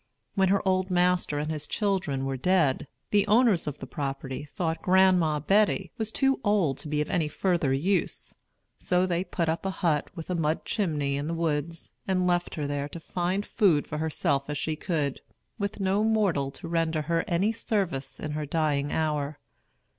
When her old master and his children were dead, the owners of the property thought Gran'ma Betty was too old to be of any further use; so they put up a hut with a mud chimney in the woods, and left her there to find food for herself as she could, with no mortal to render her any service in her dying hour.